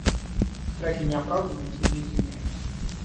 В драке не оправдываются и не извиняются.